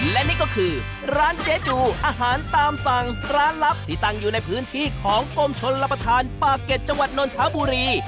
และนี่ก็คือร้านเจ๊จูอาหารตามสั่งร้านลับที่ตั้งอยู่ในพื้นที่ของกรมชนรับประทานปากเก็ตจังหวัดนนทบุรี